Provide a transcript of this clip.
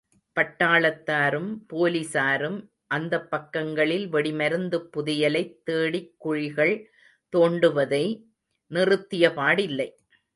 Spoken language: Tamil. பட்டாளத்தாரும், போலிஸாரும் அந்தப் பக்கங்களில் வெடிமருந்துப் புதையலைத் தேடிக் குழிகள் தோண்டுவதை நிறுத்தியபாடில்லை.